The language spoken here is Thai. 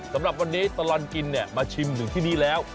สำหรับวันนี้ตลอดกินเนี่ยมาชิมถึงที่นี่แล้ว